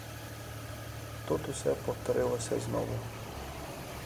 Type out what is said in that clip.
Тут усе повторилося знову.